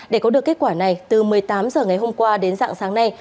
để có được kết quả này từ một mươi tám h ngày hôm qua đến dạng sáng nay